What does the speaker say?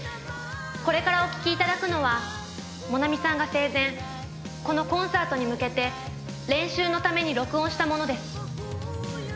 これからお聴きいただくのはもなみさんが生前このコンサートに向けて練習のために録音したものです。